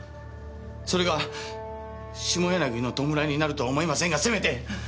それが下柳の弔いになるとは思いませんがせめて！